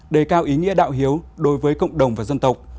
đề cao ý nghĩa đạo hiếu đối với cộng đồng và dân tộc